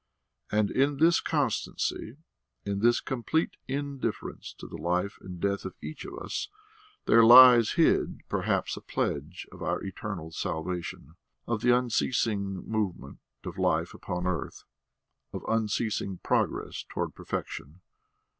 And in this constancy, in this complete indifference to the life and death of each of us, there lies hid, perhaps, a pledge of our eternal salvation, of the unceasing movement of life upon earth, of unceasing progress towards perfection.